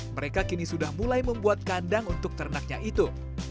mereka kini sudah mulai membuat kandang untuk ternaknya itu